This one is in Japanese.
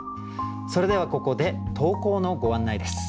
それではここで投稿のご案内です。